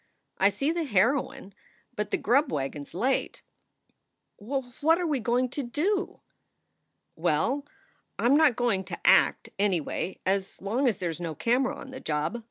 I see the heroine, but the grub wagon s late." "Wh what are we going to do?" "Well, I m not going to act, anyway, as long as there s no camera on the job.